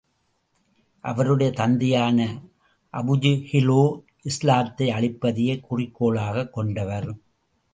அவருடைய தந்தையான அபுஜஹிலோ, இஸ்லாத்தை அழிப்பதையே குறிக்கோளாகக் கொண்டவர்.